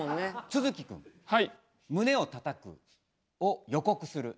都築くん「胸をたたく」を予告する。